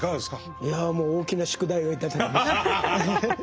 いやもう大きな宿題を頂きました。